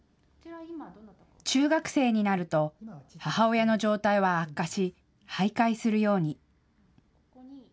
中学生になると母親の状態は悪化し、はいかいするように。